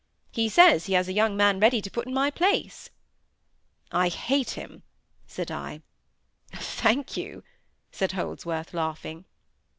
He says he has a young man ready to put in my place." "I hate him," said I. "Thank you," said Holdsworth, laughing.